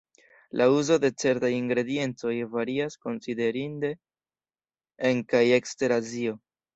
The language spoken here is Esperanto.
La uzo de certaj ingrediencoj varias konsiderinde en kaj ekster Azio.